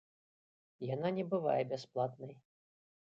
Яна не бывае бясплатнай.